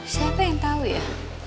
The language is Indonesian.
siapa yang tau ya